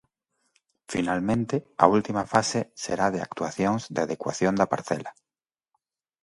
Finalmente, a última fase será de "actuacións de adecuación da parcela".